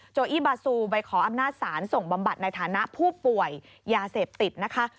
อี้บาซูไปขออำนาจศาลส่งบำบัดในฐานะผู้ป่วยยาเสพติดนะคะ